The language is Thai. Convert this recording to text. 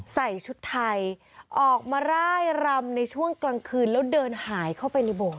ใส่ชุดไทยออกมาร่ายรำในช่วงกลางคืนแล้วเดินหายเข้าไปในโบสถ